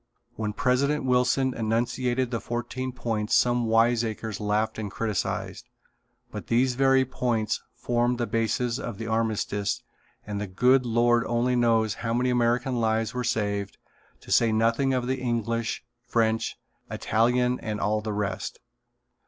When President Wilson enunciated the fourteen points some wiseacres laughed and criticised, but these very points formed the basis of the armistice and the Good Lord only knows how many American lives were saved to say nothing of English, French, Italian and all the rest.